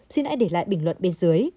xin hãy để lại bình luận bên dưới